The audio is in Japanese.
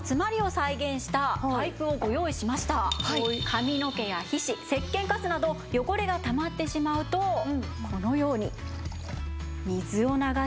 髪の毛や皮脂せっけんカスなど汚れがたまってしまうとこのように水を流しても。